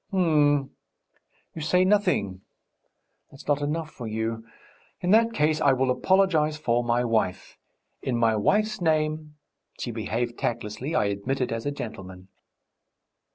"H'm!... You say nothing! That's not enough for you. In that case, I will apologise for my wife. In my wife's name.... She behaved tactlessly, I admit it as a gentleman...."